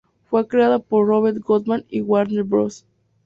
Fue creada por Robert Goodman y Warner Bros.